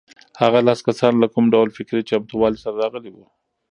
هغه لس کسان له کوم ډول فکري چمتووالي سره راغلي وو؟